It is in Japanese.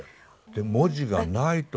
で文字がないとこ。